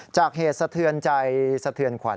เหตุสะเทือนใจสะเทือนขวัญ